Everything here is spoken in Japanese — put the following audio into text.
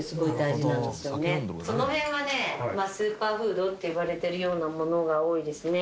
その辺はねスーパーフードって言われてるようなものが多いですね。